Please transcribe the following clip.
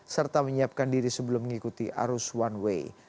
serta menyiapkan diri sebelum mengikuti arus one way